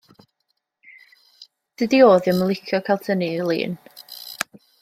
Dydi o ddim yn licio cael tynnu 'i lun.